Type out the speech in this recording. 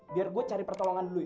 biar gue cari pertolongan dulu ya